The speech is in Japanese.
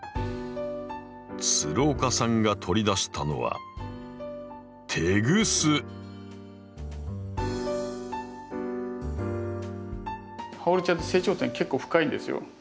岡さんが取り出したのはハオルチアって成長点結構深いんですよ。